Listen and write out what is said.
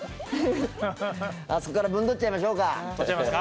あそこからぶんどっちゃいましょうか取っちゃいますか？